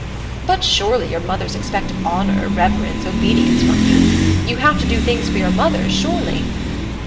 "But surely your mothers expect honor, reverence, obedience, from you. You have to do things for your mothers, surely?"